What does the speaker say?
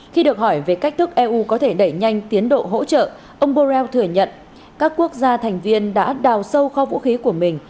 khi được hỏi về cách thức eu có thể đẩy nhanh tiến độ hỗ trợ ông borrell thừa nhận các quốc gia thành viên đã đào sâu kho vũ khí của mình